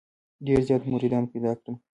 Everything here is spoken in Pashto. ډېر زیات مریدان پیدا کړل.